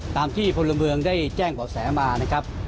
ตามที่พลเมืองได้แจ้งบ่อแสมานะครับ